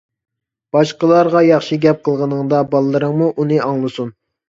باشقىلارغا ياخشى گەپ قىلغىنىڭدا، بالىلىرىڭمۇ ئۇنى ئاڭلىسۇن.